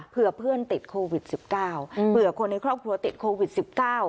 เพื่อเพื่อนติดโควิดสิบเก้าเผื่อคนในครอบครัวติดโควิดสิบเก้า